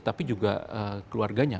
tapi juga keluarganya